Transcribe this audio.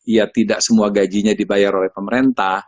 ya tidak semua gajinya dibayar oleh pemerintah